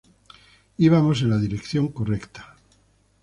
Íbamos en la dirección correcta.